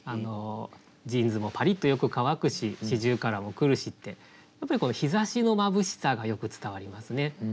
ジーンズもパリッとよく乾くし四十雀も来るしってやっぱりこの日ざしのまぶしさがよく伝わりますね。